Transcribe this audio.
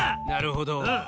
なるほど。